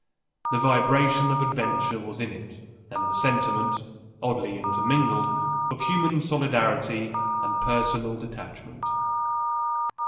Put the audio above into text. The vibration of adventure was in it and the sentiment, oddly intermingled, of human solidarity and personal detachment.